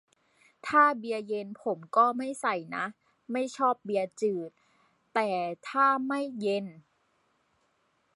ถ้าเบียร์เย็นผมก็ไม่ใส่นะ ไม่ชอบเบียร์จืด แต่ถ้าไม่เย็น